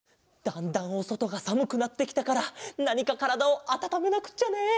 だんだんおそとがさむくなってきたからなにかからだをあたためなくっちゃね。